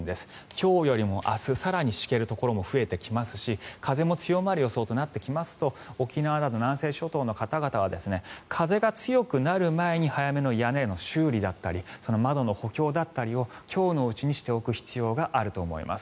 今日よりも明日更にしけるところも出てきますし風も強まる予想となってきますと沖縄など南西諸島の方々は風が強くなる前に早めの屋根の修理だったり窓の補強だったりを今日のうちにしておく必要があると思います。